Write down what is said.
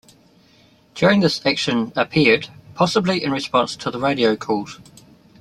During this action, appeared, possibly in response to the radio calls.